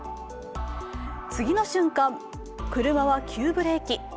次の瞬間、車は急ブレーキ。